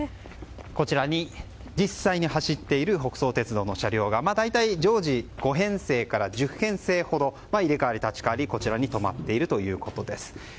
こちらに実際に走っている北総鉄道の車両が、大体常時５編成から１０編成ほど入れ代わり立ち代わり、こちらに止まっているということです。